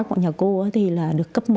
đối với tạp hóa của nhà cô thì được cấp một